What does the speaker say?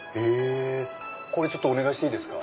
これお願いしていいですか。